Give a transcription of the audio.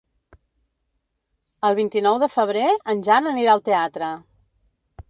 El vint-i-nou de febrer en Jan anirà al teatre.